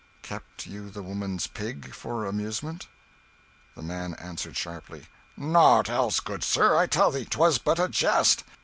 "Kept you the woman's pig for amusement?" The man answered sharply "Nought else, good sir I tell thee 'twas but a jest."